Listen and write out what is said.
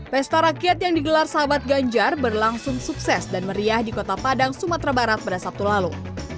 pesta rakyat yang digelar sahabat ganjar berlangsung sukses dan meriah di kota padang sumatera barat pada sabtu lalu